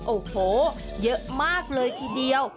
โอ้โหเยอะมากเลยทีเดียว